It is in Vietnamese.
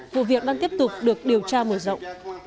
vụ việc đang tiếp tục được điều tra mở rộng